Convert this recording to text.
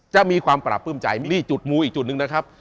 จะมีความปราบปลื้มใจมิดจุดมูอีกจุดหนึ่งนะครับ